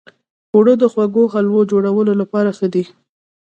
اوړه د خوږو حلوو جوړولو لپاره ښه دي